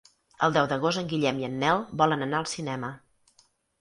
El deu d'agost en Guillem i en Nel volen anar al cinema.